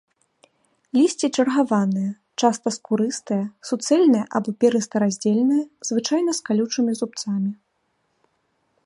Лісце чаргаванае, часта скурыстае, суцэльнае або перыста-раздзельнае, звычайна з калючымі зубцамі.